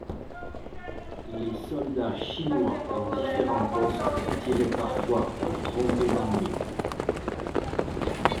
Les soldats chinois, en différents postes, tiraient parfois pour tromper l'ennui.